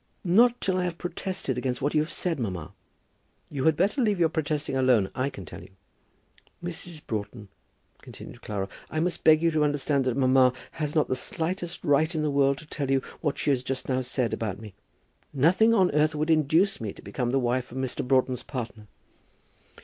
"Not till I have protested against what you have said, mamma." "You had better leave your protesting alone, I can tell you." "Mrs. Broughton," continued Clara, "I must beg you to understand that mamma has not the slightest right in the world to tell you what she just now said about me. Nothing on earth would induce me to become the wife of Mr. Broughton's partner."